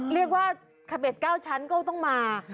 เรียกว่าขเบ็ด๙ชั้นก็ต้องมา